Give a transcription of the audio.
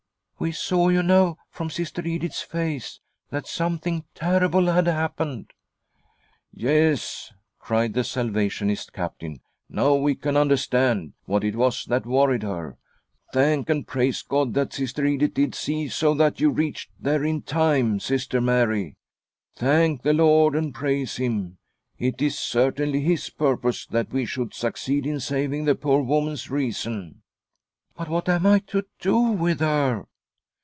" We saw, you know, from Sister Edith's face that something terrible had happened." ' Yes," cried the Salvationist Captain ;" now we can understand . what it was that worried her. Thank and praise God that Sister Edith did see, so :that you reached there in time, Sister Mary. Thank the Lord and praise Him ! It is certainly His purpose that we should succeed in saving the poor woman's reason." " But what am I to do with her